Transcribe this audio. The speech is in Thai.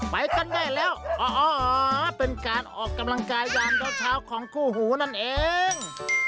ไปกันได้แล้วอ๋อเป็นการออกกำลังกายยามเช้าของคู่หูนั่นเอง